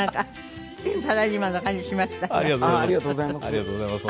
ありがとうございます。